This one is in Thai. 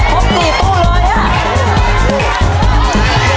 พบกี่ตู้เลยน่ะ